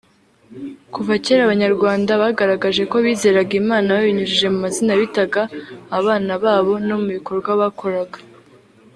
Kuva kera Abanyarwanda bagaragaje ko bizeraga Imana babinyujije mu mazina bitaga abana babo no mu bikorwa bakoraga